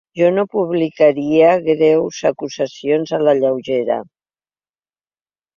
Jo no publicaria greus acusacions a la lleugera.